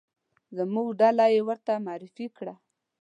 زموږ ډله یې ورته معرفي کړه.